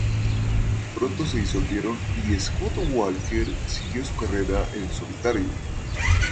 Pronto se disolvieron y Scott Walker siguió su carrera en solitario.